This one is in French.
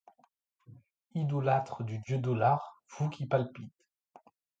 Idolâtre du dieu dollar, fou qui palpite